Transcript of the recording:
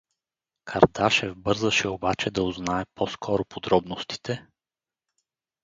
Кардашев бързаше обаче да узнае по-скоро подробностите?